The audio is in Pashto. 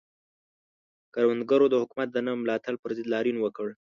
کروندګرو د حکومت د نه ملاتړ پر ضد لاریون وکړ.